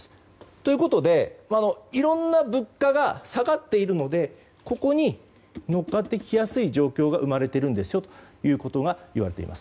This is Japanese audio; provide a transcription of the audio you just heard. ということで、いろんな物価が下がっているのでここに乗っかってきやすい状況が生まれているんですよということがいわれています。